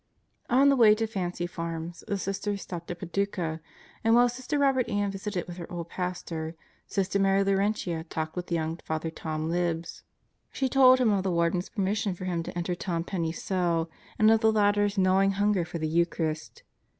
On the way to Fancy Farms the Sisters stopped at Paducah; and while Sister Robert Ann visited with her old Pastor, Sister Mary Laurentia talked with young Father Tom Libs. She told him of the Warden's permission for him to enter Tom Penney's cell, and of the latter's gnawing hunger for the Eucharist.